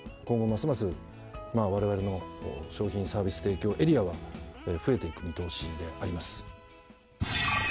今後ますますわれわれの商品サービス提供エリアは増えていく見通しであります。